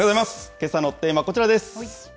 けさのテーマ、こちらです。